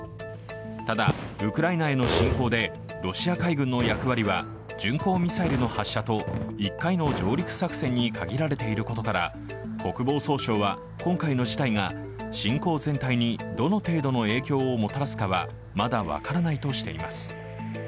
ただ、ウクライナへの侵攻でロシア海軍の役割は巡航ミサイルの発射と１回の上陸作戦に限られていることから国防総省は今回の事態が侵攻全体にどの程度の影響をもたらすかはまだ分からないとしています。